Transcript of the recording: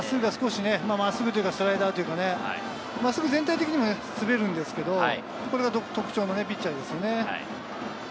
真っすぐというかスライダーというか、全体的にも滑るんですけど、これが特徴のピッチャーですね。